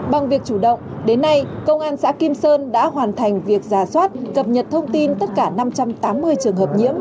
bằng việc chủ động đến nay công an xã kim sơn đã hoàn thành việc giả soát cập nhật thông tin tất cả năm trăm tám mươi trường hợp nhiễm